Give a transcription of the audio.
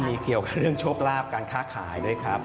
มีเกี่ยวกับเรื่องโชคลาภการค้าขายด้วยครับ